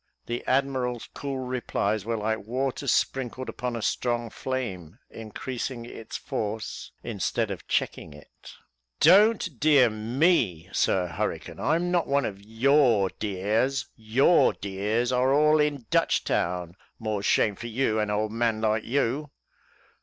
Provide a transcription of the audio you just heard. The admiral's cool replies were like water sprinkled upon a strong flame, increasing its force, instead of checking it. "Don't dear me, Sir Hurricane. I am not one of your dears your dears are all in Dutchtown more shame for you, an old man like you."